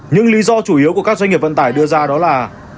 những lý do chủ yếu của các doanh nghiệp vận tải đưa ra đó là